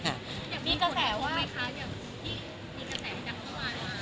อย่างพี่ก็แสว่ว่าพี่มีกระแสใหม่จังกว่านะ